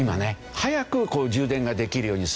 早く充電ができるようにする。